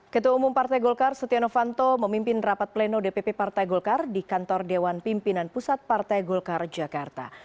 ketua umum partai golkar setia novanto memimpin rapat pleno dpp partai golkar di kantor dewan pimpinan pusat partai golkar jakarta